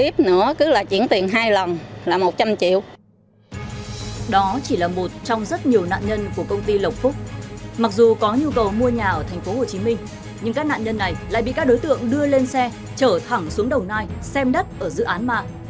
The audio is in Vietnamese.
mặc dù có nhu cầu mua nhà ở tp hcm nhưng các nạn nhân này lại bị các đối tượng đưa lên xe trở thẳng xuống đồng nai xem đất ở dự án ma